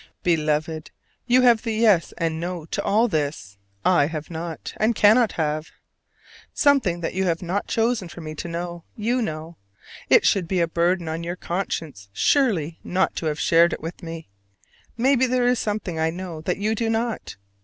Beloved, you have the yes and no to all this: I have not, and cannot have. Something that you have not chosen for me to know, you know: it should be a burden on your conscience, surely, not to have shared it with me. Maybe there is something I know that you do not.